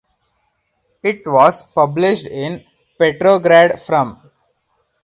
It was published in Petrograd from.